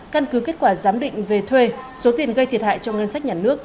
căn cứ kết quả giám định về thuê số tiền gây thiệt hại cho ngân sách nhà nước